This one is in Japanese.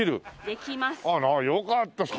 あらよかった。